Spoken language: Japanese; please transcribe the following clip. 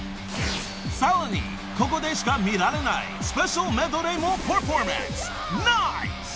［さらにここでしか見られないスペシャルメドレーもパフォーマンス。